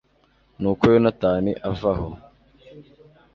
nuko yonatani ava aho